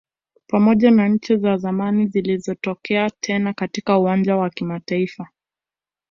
Pamoja na nchi za zamani zilizotokea tena katika uwanja wa kimataifa